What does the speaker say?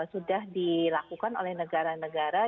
sudah dilakukan oleh negara negara